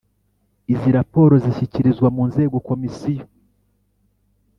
Izi raporo zishyikirizwa munzego Komisiyo .